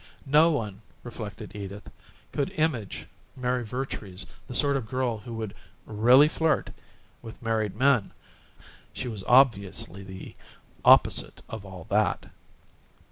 No one, reflected Edith, could image Mary Vertrees the sort of girl who would "really flirt" with married men she was obviously the "opposite of all that."